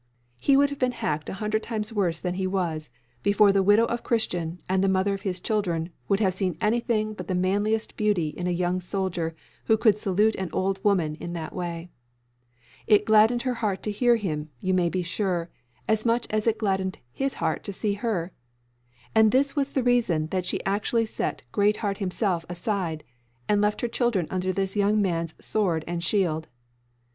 He would have been hacked a hundred times worse than he was before the widow of Christian, and the mother of his children, would have seen anything but the manliest beauty in a young soldier who could salute an old woman in that way. It gladdened her heart to hear him, you may be sure, as much as it gladdened his heart to see her. And that was the reason that she actually set Greatheart himself aside, and left her children under this young man's sword and shield.